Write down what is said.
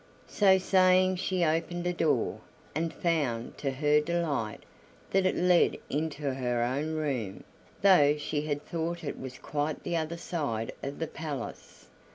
So saying she opened a door, and found, to her delight, that it led into her own room, though she had thought it was quite the other side of the palace.